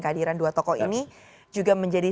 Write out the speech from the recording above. kehadiran dua tokoh ini juga menjadi